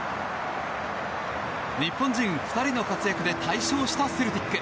日本人２人の活躍で大勝したセルティック。